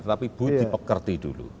tapi budi pekerti dulu